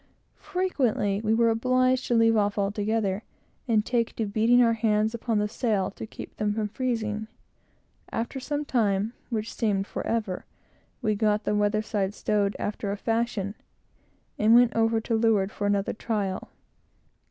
Frequently we were obliged to leave off altogether and take to beating our hands upon the sail, to keep them from freezing. After some time, which seemed forever, we got the weather side stowed after a fashion, and went over to leeward for another trial.